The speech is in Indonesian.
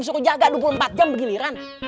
suku jaga dua puluh empat jam bergiliran